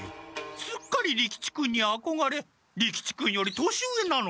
すっかり利吉君にあこがれ利吉君より年上なのに。